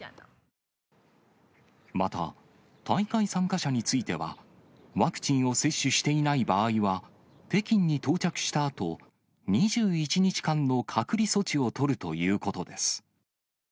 また、大会参加者については、ワクチンを接種していない場合は、北京に到着したあと、２１日間の隔離措置を取るということです。